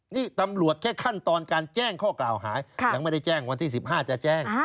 นี่ตำรวจแค่ขั้นตอนการแจ้งข้อกล่าวหายังไม่ได้แจ้งวันที่๑๕จะแจ้ง